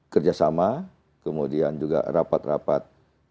kerjasama kemudian juga rapat rapat